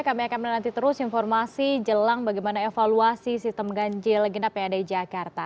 kami akan menanti terus informasi jelang bagaimana evaluasi sistem ganjil genap yang ada di jakarta